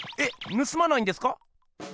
ぬすまないんですか？